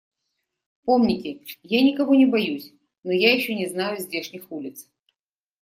Помните, я никого не боюсь, но я еще не знаю здешних улиц.